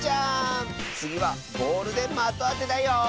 つぎはボールでまとあてだよ！